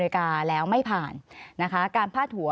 ขอบคุณครับ